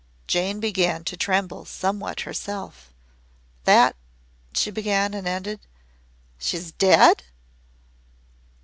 Jane began to tremble somewhat herself. "That ?" she began and ended: "She is DEAD?"